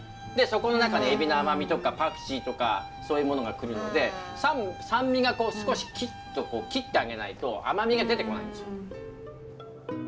でそこの中でエビの甘みとかパクチーとかそういうものが来るので酸味が少しキッと切ってあげないと甘みが出てこないんですよ。